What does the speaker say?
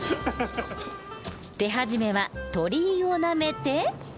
手始めは鳥居をなめて。